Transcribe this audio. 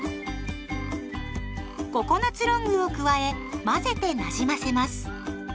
ココナツロングを加え混ぜてなじませます。